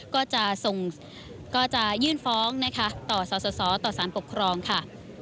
ก็จะยื่นฟ้องนะคะต่อสาวสาวต่อสารปกครองค่ะ